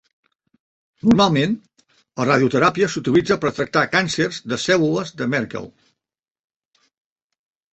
Normalment, la radioteràpia s'utilitza per tractar càncers de cèl·lules de Merkel.